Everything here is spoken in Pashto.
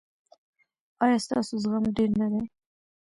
ایا ستاسو زغم ډیر نه دی؟